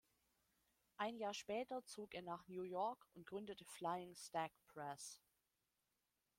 Ein Jahr später zog er nach New York und gründete Flying Stag Press.